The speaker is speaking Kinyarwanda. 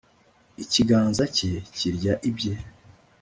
ikiganza cye kirya ibye